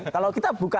kalau kita buka